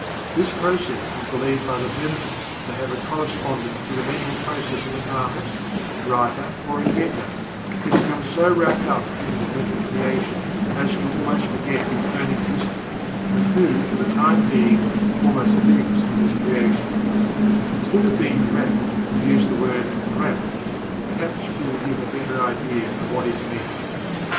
This process is believed by the Hermetists to have a Correspondence to the mental process of an artist, writer, or inventor, who becomes so wrapped up in his mental creation as to almost forget his own existence and who, for the time being, almost "lives in his creation," If instead of "wrapped" we use the word "rapt," perhaps we will give a better idea of what is meant.